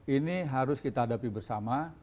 ini harus kita hadapi bersama